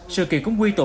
sự kiện cũng quy tổ